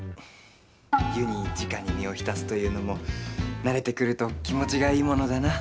湯にじかに身を浸すというのも慣れてくると気持ちがいいものだな。